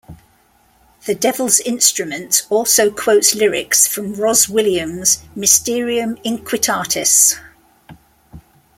"The Devil's Instrument" also quotes lyrics from Rozz Williams' "Mysterium Inquitatis".